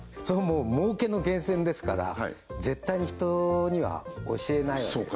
そこはもう儲けの源泉ですから絶対に人には教えないわけです